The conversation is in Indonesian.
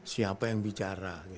siapa yang bicara